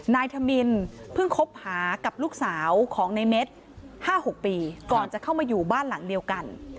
นายธมินเพิ่งคบหากับลูกสาวของในเม็ด๕๖ปีก่อนจะเข้ามาอยู่บ้านหลังเดียวกัน